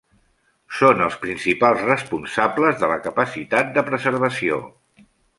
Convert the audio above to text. Són els principals responsables de la capacitat de preservació.